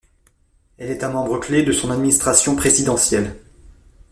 Elle est un membre clé de son administration présidentielle.